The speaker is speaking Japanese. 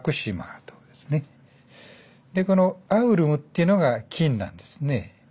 この「アウルム」っていうのが「金」なんですね。